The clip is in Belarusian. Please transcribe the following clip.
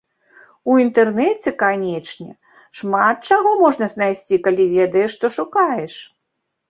У інтэрнэце, канечне, шмат чаго можна знайсці, калі ведаеш, што шукаеш.